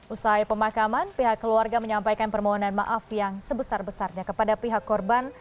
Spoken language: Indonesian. usai pemakaman pihak keluarga menyampaikan permohonan maaf yang sebesar besarnya kepada pihak korban